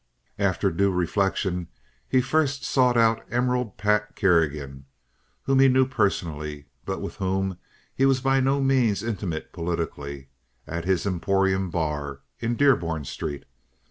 After due reflection he first sought out "Emerald Pat" Kerrigan, whom he knew personally but with whom he was by no means intimate politically, at his "Emporium Bar" in Dearborn Street.